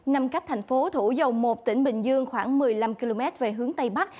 nằm cách thành phố thủ dầu một tỉnh bình dương khoảng một mươi năm km về hướng tây bắc